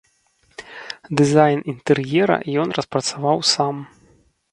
Дызайн інтэр'ера ён распрацоўваў сам.